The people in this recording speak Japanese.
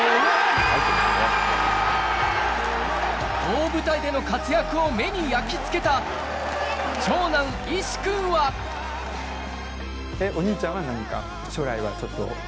大舞台での活躍を目に焼き付けた長男一志君はお兄ちゃんは。